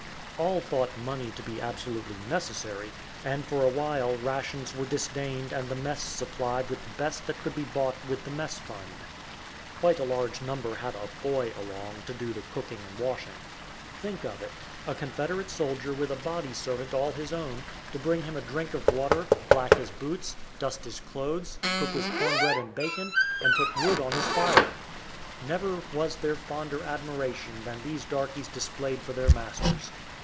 All thought money to be absolutely necessary, and for awhile rations were disdained and the mess supplied with the best that could be bought with the mess fund. Quite a large number had a "boy" along to do the cooking and washing. Think of it! a Confederate soldier with a body servant all his own, to bring him a drink of water, black his boots, dust his clothes, cook his corn bread and bacon, and put wood on his fire. Never was there fonder admiration than these darkies displayed for their masters.